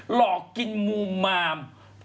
หลอกกินมูมาม